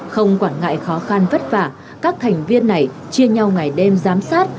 không quản ngại khó khăn vất vả các thành viên này chia nhau ngày đêm giám sát